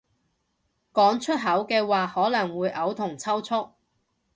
講出口嘅話可能會嘔同抽搐